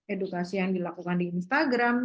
edukasi yang dilakukan di instagram